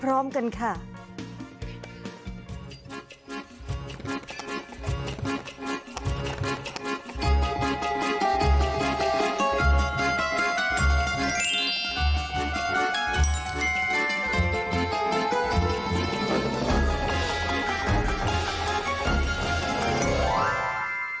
โปะด้วยวิปครีมข้าวโพดเนยนี่มันก็หอมอร่อยอยู่แล้ว